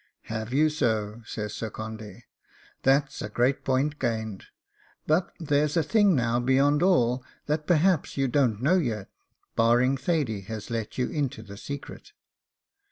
'Have you so?' says Sir Condy. 'That's a great point gained. But there's a thing now beyond all, that perhaps you don't know yet, barring Thady has let you into the secret.